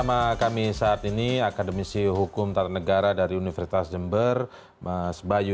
nanti kita akun udara mereka